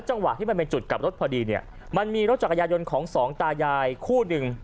จังหวะที่มันเป็นจุดกลับรถพอดีเนี่ยมันมีรถจักรยายนต์ของสองตายายคู่หนึ่ง